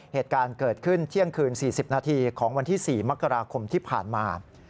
เหตุการณ์เกิดขึ้นเที่ยงคืน๔๐นาทีของวันที่๔มกราคมที่ผ่านมา